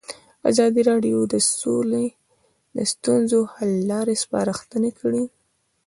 ازادي راډیو د سوله د ستونزو حل لارې سپارښتنې کړي.